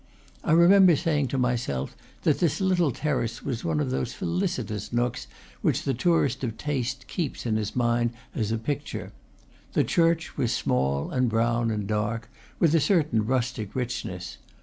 I remember saying to myself that this little terrace was one of those felicitous nooks which the tourist of taste keeps in his mind as a picture. The church was small and brown and dark, with a certain rustic richness.